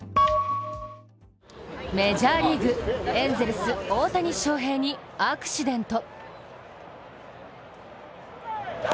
メジャーリーグ、エンゼルス・大谷翔平にアクシデント。